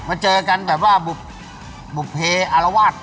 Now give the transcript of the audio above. เจอกันแบบว่าบุภเพออารวาส